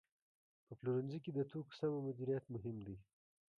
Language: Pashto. په پلورنځي کې د توکو سمه مدیریت مهم دی.